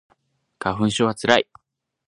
花粉症はつらい